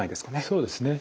そうですね。